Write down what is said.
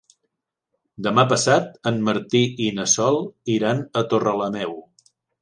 Demà passat en Martí i na Sol iran a Torrelameu.